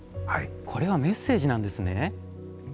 これはメッセージなんですね。